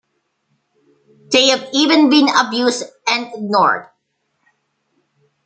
They've even been abused and ignored.